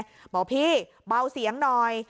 บอกพี่เบาเสียงหน่อย